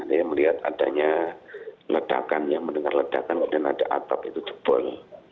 dia melihat adanya ledakan ya mendengar ledakan kemudian ada atap itu jebol